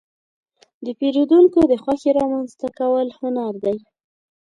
د پیرودونکو د خوښې رامنځته کول هنر دی.